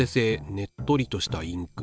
「ねっとりとした」インク。